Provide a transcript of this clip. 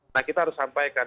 nah kita harus sampaikan